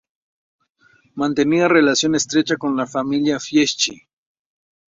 Mantenía relación estrecha con la Familia Fieschi.